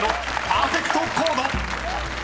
［パーフェクトコード］